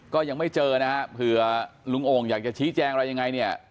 ก็ยังไม่เจอนะฮะเผื่อลุงโอ่งอยากจะชี้แจงอะไรยังไงเนี่ย